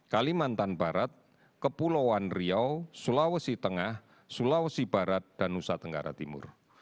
kalimantan barat kepulauan riau sulawesi tengah sulawesi barat dan nusa tenggara timur